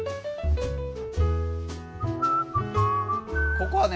ここはね